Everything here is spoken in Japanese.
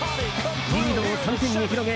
リードを３点に広げ